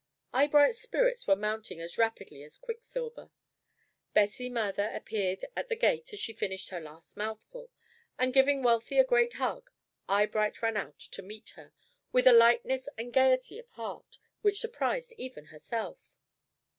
Eyebright's spirits were mounting as rapidly as quicksilver. Bessie Mather appeared at the gate as she finished her last mouthful, and, giving Wealthy a great hug, Eyebright ran out to meet her, with a lightness and gayety of heart which surprised even herself.